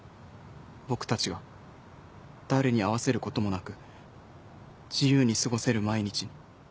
僕たちが誰に合わせることもなく自由に過ごせる毎日に。